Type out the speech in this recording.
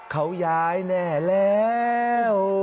เขาย้ายแน่แล้ว